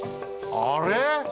あれ？